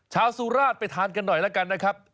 สุราชไปทานกันหน่อยแล้วกันนะครับ